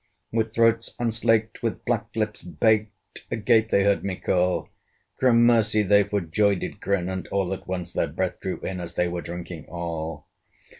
With throats unslaked, with black lips baked, Agape they heard me call: Gramercy! they for joy did grin, And all at once their breath drew in, As they were drinking all.